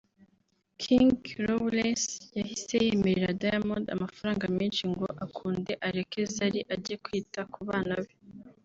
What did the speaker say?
King Lawrence yahise yemerera Diamond amafaranga menshi ngo akunde areke Zari ajye kwita ku bana be